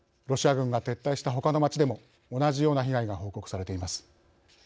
ロシア軍が撤退したほかの町でも同じような被害が報告されています。